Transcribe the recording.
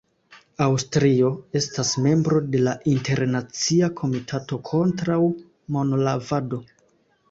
Aŭstrio estas membro de la Internacia Komitato kontraŭ Monlavado.